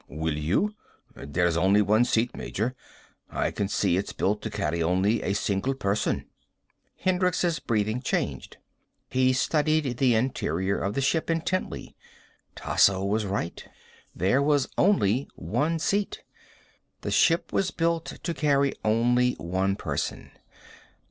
"Will you? There's only one seat, Major. I can see it's built to carry only a single person." Hendricks' breathing changed. He studied the interior of the ship intently. Tasso was right. There was only one seat. The ship was built to carry only one person.